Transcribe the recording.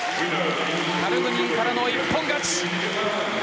カルグニンからの一本勝ち。